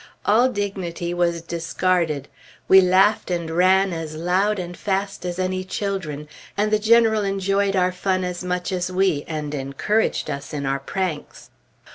All dignity was discarded. We laughed and ran as loud and fast as any children, and the General enjoyed our fun as much as we, and encouraged us in our pranks.